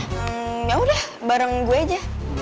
yang yaudah bareng gue aja